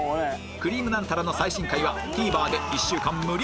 『くりぃむナンタラ』の最新回は ＴＶｅｒ で１週間無料配信